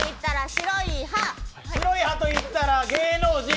白い歯といったら芸能人。